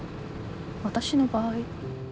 私の場合？